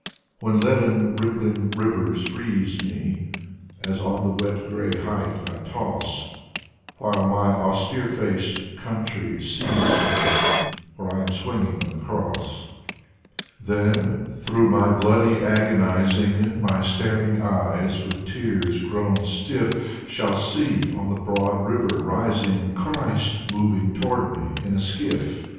When leaden rippHng rivers freeze me, As on the wet gray height I toss. While my austere faced country sees me Where I am swinging on the cross. Then through my bloody agonizing My staring eyes, with tears grown stiff, Shall see on the broad river rising Christ moving toward me in a skiff.